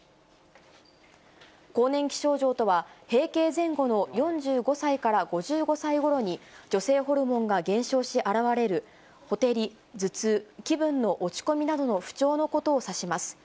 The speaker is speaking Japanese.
更年期症状とは、閉経前後の４５歳から５５歳ごろに、女性ホルモンが減少し現れるほてり、頭痛、気分の落ち込みなどの不調のことを指します。